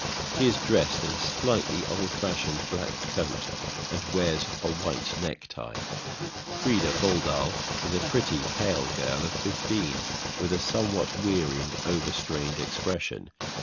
He is dressed in a slightly old fashioned black coat, and wears a white necktie. FRIDA FOLDAL is a pretty, pale girl of fifteen, with a somewhat weary and overstrained expression.